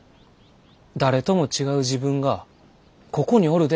「誰とも違う自分がここにおるで！」